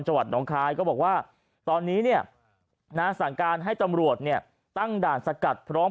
วัดน้องคลายก็บอกว่าตอนนี้เนี่ยนะสั่งการให้ตำรวจเนี่ยตั้งด่านสกัดพร้อม